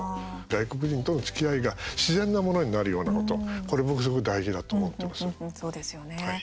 外国人とのつきあいが自然なものになるようなことこれ、僕すごい大事だと思っています。